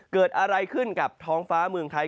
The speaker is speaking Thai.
เกิดอะไรขึ้นกับท้องฟ้าเมืองไทย